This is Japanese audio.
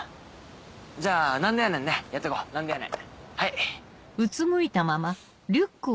じゃあ「何でやねん」ねやってこう「何でやねん」。はい。